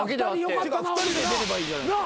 ２人で出ればいいじゃないですか。